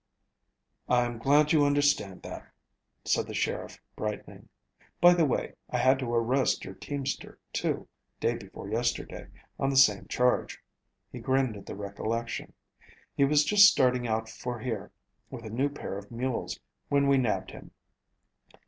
"I'm glad you understand that," said the sheriff, brightening. "By the way, I had to arrest your teamster, too, day before yesterday, on the same charge." He grinned at the recollection. "He was just starting out for here with a new pair of mules when we nabbed him.